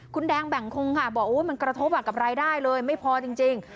คุณแดงแบ่งคงค่ะบอกมันกระทบกับรายได้เลยไม่พอจริง